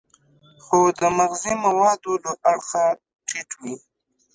خو د مغذي موادو له اړخه ټیټ وي.